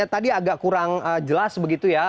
tadi agak kurang jelas begitu ya